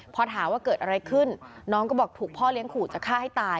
พอถามว่าเกิดอะไรขึ้นน้องก็บอกถูกพ่อเลี้ยงขู่จะฆ่าให้ตาย